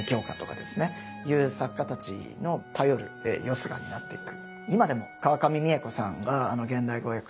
いう作家たちの頼るよすがになっていく。